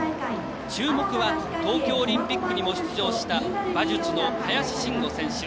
注目は東京オリンピックにも出場した馬術の林伸伍選手。